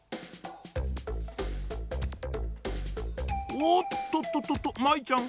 おっとととと舞ちゃん。